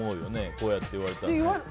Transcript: こうやって言われたら。